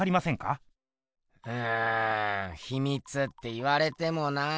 うんひみつって言われてもなぁ。